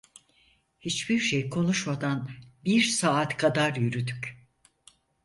Hiçbir şey konuşmadan bir saat kadar yürüdük.